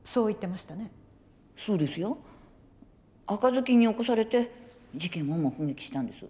そうですよ赤ずきんに起こされて事件を目撃したんです。